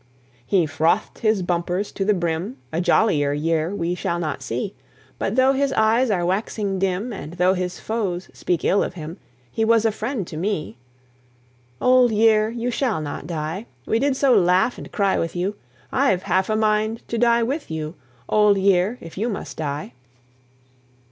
He froth'd his bumpers to the brim; A jollier year we shall not see. But tho' his eyes are waxing dim, And tho' his foes speak ill of him, He was a friend to me. Old year, you shall not die; We did so laugh and cry with you, I've half a mind to die with you, Old year, if you must die.